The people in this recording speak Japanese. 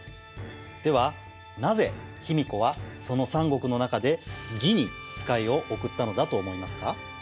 ではなぜ卑弥呼はその三国の中で魏に使いを送ったのだと思いますか？